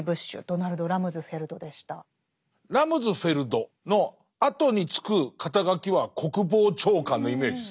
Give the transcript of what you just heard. ラムズフェルドのあとに付く肩書は「国防長官」のイメージですね。